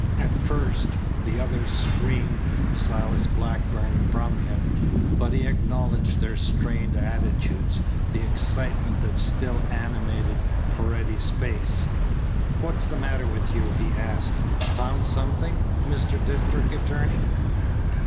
At first the others screened Silas Blackburn from him, but he acknowledged their strained attitudes, the excitement that still animated Paredes's face. "What's the matter with you?" he asked. "Found something, Mr. District Attorney?"